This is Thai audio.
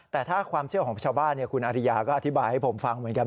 แต่ถ้าความเชื่อของชาวบ้านคุณอาริยาก็อธิบายให้ผมฟังเหมือนกัน